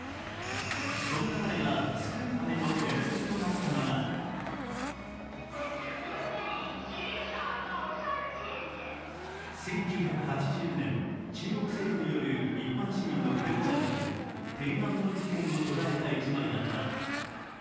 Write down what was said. そんな彼がスクープ界の伝説となったのが１９８９年、中国政府による一般市民の武力弾圧、天安門事件を捉えた１枚だった。